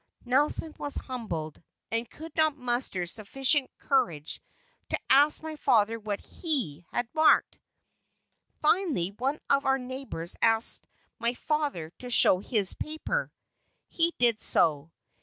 Nelson was humbled, and could not muster sufficient courage to ask my father what he had marked. Finally one of our neighbors asked my father to show his paper he did so.